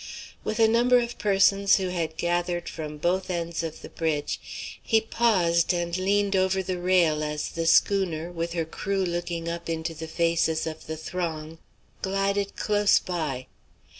With a number of persons who had gathered from both ends of the bridge, he paused and leaned over the rail as the schooner, with her crew looking up into the faces of the throng, glided close by.